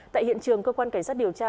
tại hiện trường cơ quan cảnh sát điều tra